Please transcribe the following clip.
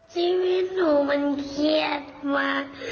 ชีวิตหนูมันเครียดมาก